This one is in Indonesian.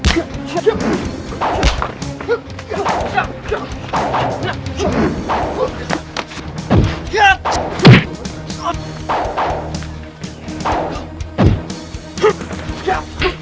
kau akan menjadi babi buta